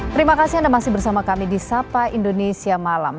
terima kasih anda masih bersama kami di sapa indonesia malam